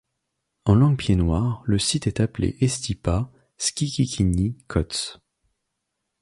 En langue pied-noir, le site est appelé Estipah-skikikini-kots.